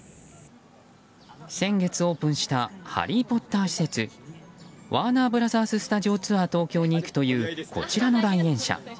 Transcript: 先月オープンした「ハリー・ポッター」施設ワーナーブラザーススタジオツアー東京に行くというこちらの来園者。